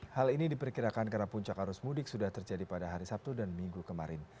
hal ini diperkirakan karena puncak arus mudik sudah terjadi pada hari sabtu dan minggu kemarin